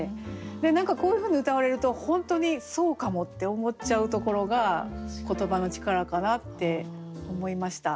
何かこういうふうにうたわれると本当にそうかもって思っちゃうところが言葉の力かなって思いました。